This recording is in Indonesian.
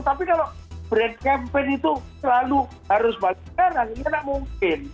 tapi kalau brad campaign itu selalu harus balik sekarang ini tidak mungkin